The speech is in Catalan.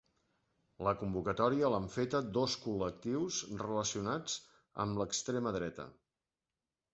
La convocatòria l’han feta dos col·lectius relacionats amb l’extrema dreta.